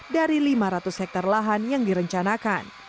dari lima ratus hektare lahan yang direncanakan